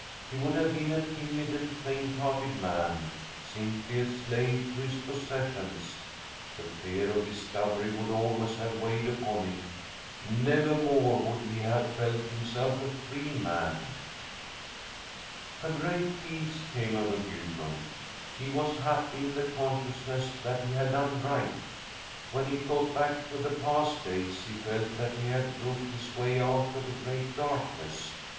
He would have been a timid and faint hearted man; simply a slave to his possessions. The fear of discovery would always have weighed upon him. Nevermore would he have felt himself a free man. A great peace came over Gudmund. He was happy in the consciousness that he had done right. When he thought back to the past days, he felt that he had groped his way out of a great darkness.